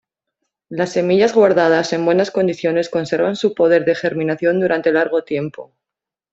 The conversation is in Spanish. Las semillas guardadas en buenas condiciones conservan su poder de germinación durante largo tiempo.